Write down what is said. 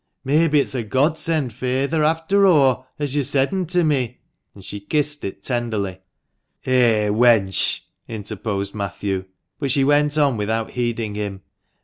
Mebbe it's a Godsend, feyther, after o', as yo said'n to me," and she kissed it tenderly. "Eh, wench!" interposed Matthew, but she went on without heeding him.